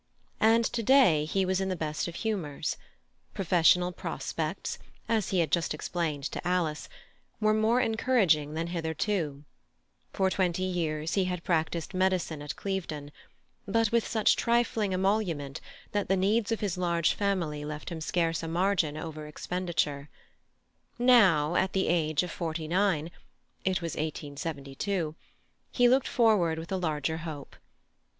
And to day he was in the best of humours; professional prospects, as he had just explained to Alice, were more encouraging than hitherto; for twenty years he had practised medicine at Clevedon, but with such trifling emolument that the needs of his large family left him scarce a margin over expenditure; now, at the age of forty nine—it was 1872—he looked forward with a larger hope.